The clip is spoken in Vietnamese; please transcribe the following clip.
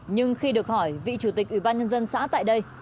nhưng khi được hỏi vị chủ tịch ủy ban nhân dân xã tại đây